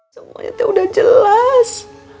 semuanya udah jelas